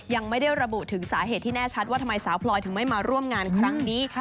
ยังไม่ได้ระบุถึงสาเหตุที่แน่ชัดว่าทำไมสาวพลอยถึงไม่มาร่วมงานครั้งนี้